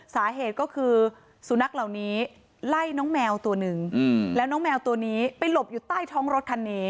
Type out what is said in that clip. สาเหตุก็คือสุนัขเหล่านี้ไล่น้องแมวตัวหนึ่งแล้วน้องแมวตัวนี้ไปหลบอยู่ใต้ท้องรถคันนี้